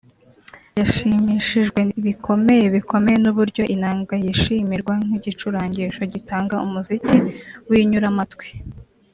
yashimishijwe bikomeye bikomeye n’uburyo inanga yishimirwa nk’igicurangisho gitanga umuziki w’inyuramatwi